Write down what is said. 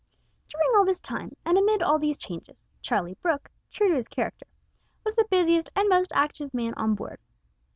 During all this time, and amid all these changes, Charlie Brooke, true to his character, was the busiest and most active man on board.